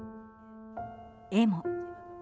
絵も。